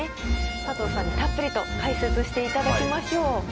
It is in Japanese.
佐藤さんにたっぷりと解説していただきましょう。